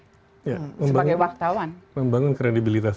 sebagai wartawan membangun kredibilitas